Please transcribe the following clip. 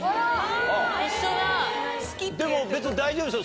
でも別に大丈夫ですよ